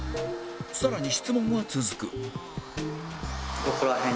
更に質問は続く